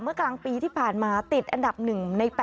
กลางปีที่ผ่านมาติดอันดับ๑ใน๘